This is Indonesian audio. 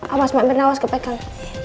awas mbak nek awas kepekang